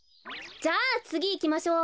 じゃあつぎいきましょう。